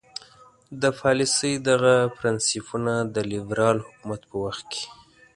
د پالیسۍ دغه پرنسیپونه د لیبرال حکومت په وخت کې.